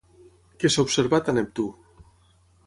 Què s'ha observat a Neptú?